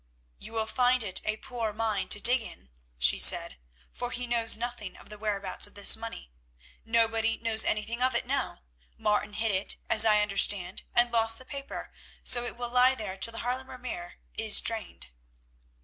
"You will find it a poor mine to dig in," she said, "for he knows nothing of the whereabouts of this money. Nobody knows anything of it now. Martin hid it, as I understand, and lost the paper, so it will lie there till the Haarlemer Meer is drained."